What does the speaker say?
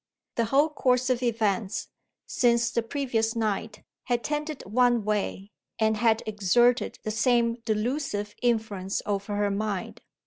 The whole course of events, since the previous night, had tended one way, and had exerted the same delusive influence over her mind.